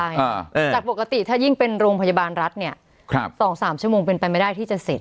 อ่าเออจากปกติถ้ายิ่งเป็นโรงพยาบาลรัฐเนี้ยครับสองสามชั่วโมงเป็นไปไม่ได้ที่จะเสร็จ